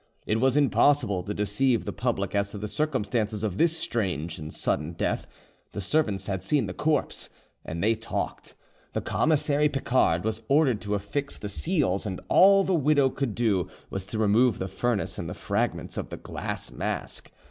It was impossible to deceive the public as to the circumstances of this strange and sudden death: the servants had seen the corpse, and they talked. The commissary Picard was ordered to affix the seals, and all the widow could do was to remove the furnace and the fragments of the glass mask.